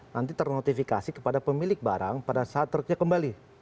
nanti ternotifikasi kepada pemilik barang pada saat truknya kembali